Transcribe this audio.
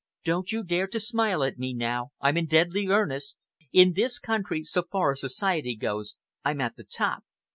Don't you dare to smile at me now. I'm in deadly earnest. In this country, so far as society goes, I'm at the top.